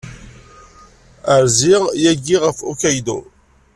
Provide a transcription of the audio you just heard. Rziɣ yagi ɣef Hokkaido.